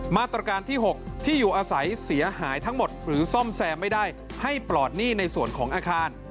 มาตรการที่๖ที่อยู่อาศัยเสียหายทั้งหมดหรือซ่อมแซมไม่ได้ให้ปลอดหนี้ในส่วนของอาคาร